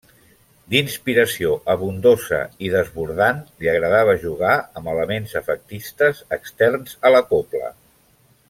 D'inspiració abundosa i desbordant, li agradava jugar amb elements efectistes externs a la cobla.